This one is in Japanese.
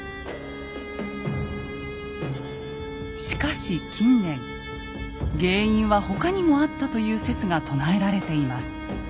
しかし近年原因は他にもあったという説が唱えられています。